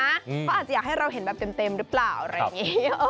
เขาอาจจะอยากให้เราเห็นแบบเต็มหรือเปล่าอะไรอย่างนี้